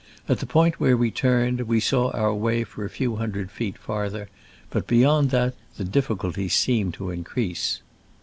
At the point where we turned we saw our way for a few hundred feet farther, but beyond that the difficulties seemed to increase."